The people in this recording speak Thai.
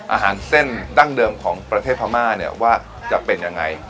อาหารเส้นดั้งเดิมของประเทศพม่าเนี่ยว่าจะเป็นยังไง